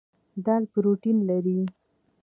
دال پروټین لري.